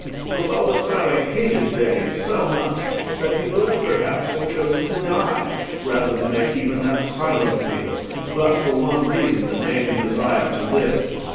For Baldassarre hated begging so much that he would perhaps have chosen to die rather than make even that silent appeal, but for one reason that made him desire to live.